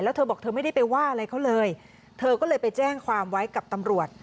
แล้วเธอบอกเธอไม่ได้ไปว่าอะไรเขาเลยเธอก็เลยไปแจ้งความไว้กับตำรวจ